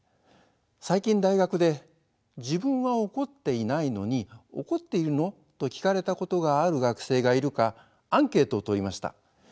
最近大学で自分は怒っていないのに「怒っているの？」と聞かれたことがある学生がいるかアンケートをとりました。